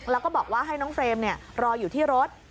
แล้วก็บอกว่าให้น้องเฟรมรออยู่ที่รถ